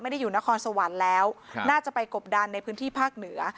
อยู่นครสวรรค์แล้วน่าจะไปกบดันในพื้นที่ภาคเหนือ